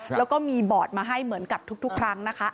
แล้วก็มีบอร์ดมาให้เหมือนกับทุกครั้งนะคะ